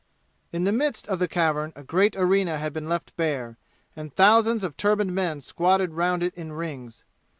In the midst of the cavern a great arena had been left bare, and thousands of turbaned men squatted round it in rings.